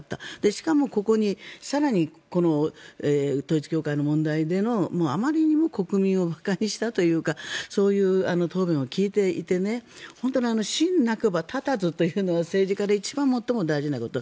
しかもここに更に統一教会の問題でのあまりにも国民を馬鹿にしたというかそういう答弁を聞いていて本当に信なくば立たずというのが政治家で一番最も大事なこと。